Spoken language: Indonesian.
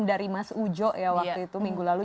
dari mas ujo ya waktu itu minggu lalu